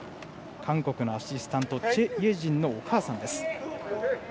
韓国のアシスタントはチェ・イェジンのお母さん。